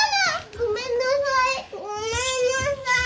ごめんなさい。